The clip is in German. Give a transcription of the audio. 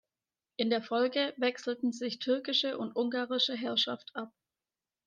In der Folge wechselten sich türkische und ungarische Herrschaft ab.